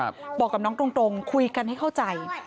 บอกกับน้องตรงคุยกันให้เข้าใจ